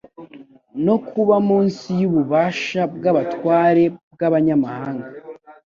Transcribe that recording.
no kuba munsi y'ububasha bw'abatware bw'abanyamahanga;